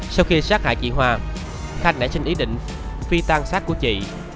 sau khi sát hại chị hoa khanh đã xin ý định phi tan sát của chị